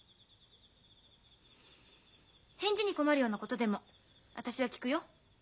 返事に困るようなことでも私は聞くよ。